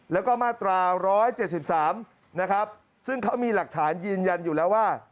แล้วก็มาตรา๑๗๓นะครับซึ่งเขามีหลักฐานยืนยันอยู่แล้วว่า